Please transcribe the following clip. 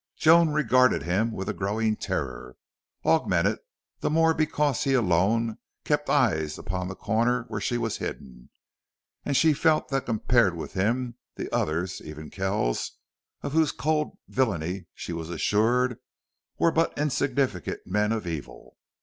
Joan regarded him with a growing terror augmented the more because he alone kept eyes upon the corner where she was hidden and she felt that compared with him the others, even Kells, of whose cold villainy she was assured, were but insignificant men of evil.